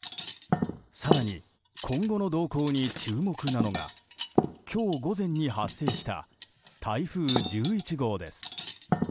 更に今後の動向に注目なのが今日午前に発生した台風１１号です。